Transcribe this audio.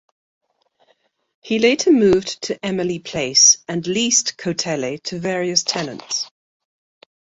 He later moved to Emily Place and leased Cotele to various tenants.